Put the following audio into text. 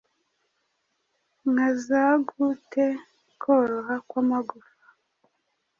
nka za Goutte, koroha kw’amagufa,